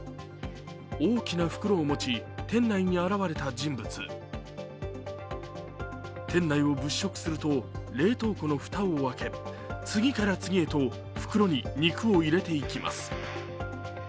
大きな袋を持ち、店内に現れた人物店内を物色すると冷凍庫の蓋を開け次から次へと袋に肉を入れていきます。